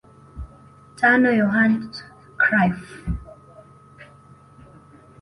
Tano Yohan Cruyff